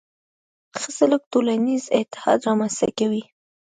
ښه سلوک ټولنیز اتحاد رامنځته کوي.